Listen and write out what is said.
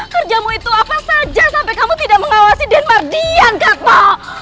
kerjamu itu apa saja sampai kamu tidak mengawasi dian mardian katmo